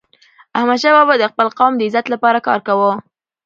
احمدشاه بابا د خپل قوم د عزت لپاره کار کاوه.